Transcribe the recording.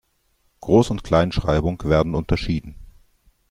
Groß- und Kleinschreibung werden unterschieden.